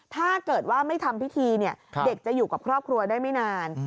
ถ้าเกิดว่าไม่ทำพิธีเด็กจะอยู่กับครอบครัวได้ไม่นาน